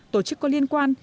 tổ chức có liên quan